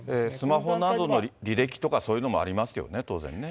スマホなどの履歴とか、そういうのもありますよね、当然ね。